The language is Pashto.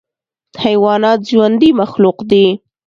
حیوانات ژوندی مخلوق دی.